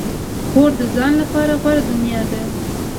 کور د ځان لپاره غوره دنیا ده.